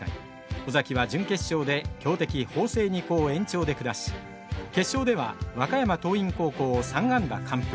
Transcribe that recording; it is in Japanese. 尾崎は、準決勝で強敵・法政二高を延長で下し決勝では和歌山・桐蔭高校を３安打完封。